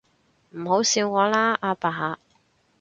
唔好笑我啦，阿爸